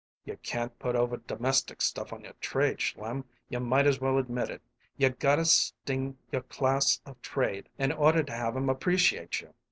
"You can't put over domestic stuff on your trade, Schlim. You might as well admit it. You gotta sting your class of trade in order to have 'em appreciate you."